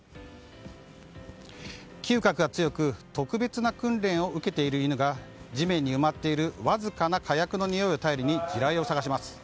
嗅覚が強く特別な訓練を受けている犬が地面に埋まっているわずかな火薬のにおいを頼りに地雷を探します。